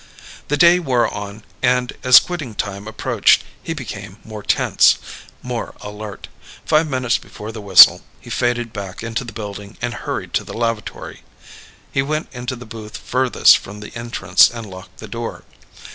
The day wore on and as quitting time approached, he became more tense more alert. Five minutes before the whistle, he faded back into the building and hurried to the lavatory. He went into the booth furthest from the entrance and locked the door.